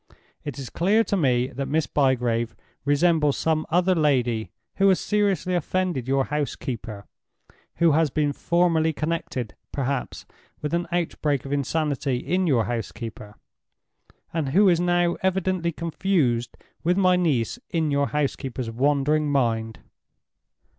It is clear to me that Miss Bygrave resembles some other lady who has seriously offended your housekeeper—who has been formerly connected, perhaps, with an outbreak of insanity in your housekeeper—and who is now evidently confused with my niece in your housekeeper's wandering mind.